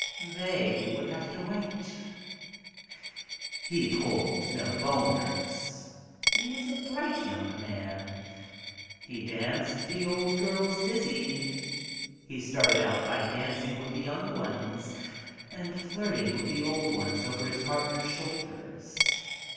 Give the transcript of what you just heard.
They would have to wait. "He pulled no 'boners.' He was a bright young man. He danced the old girls dizzy. He started out by dancing with the young ones and flirting with the old ones over his partners shoulders.